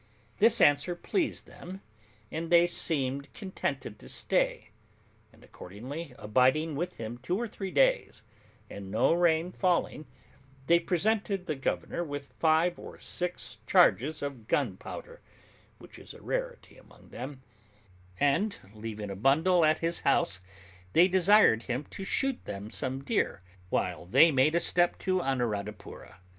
This answer pleased them, and they seemed contented to stay; and accordingly, abiding with him two or three days, and no rain falling, they presented the governor with five or six charges of gunpowder, which is a rarity among them; and leaving a bundle at his house, they desired him to shoot them some deer, while they made a step to Anuradhapoora.